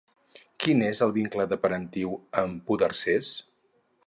Quin és el vincle de parentiu amb Podarces?